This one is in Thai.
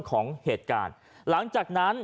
ของเหตุการณ์หลังจากนั้น